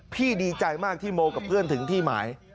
ดีใจมากที่โมกับเพื่อนถึงที่หมาย